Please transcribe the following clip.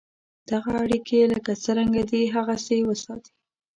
دغه اړیکي لکه څرنګه دي هغسې وساتې.